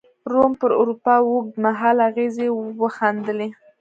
روم پر اروپا اوږد مهاله اغېزې وښندلې.